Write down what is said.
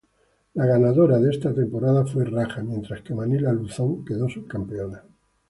La ganadora de esta temporada fue Raja, mientras que Manila Luzón quedó subcampeona.